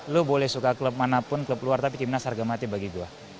lo boleh suka klub manapun klub luar tapi timnas harga mati bagi gue